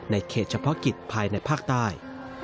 เขตเฉพาะกิจภายในภาคใต้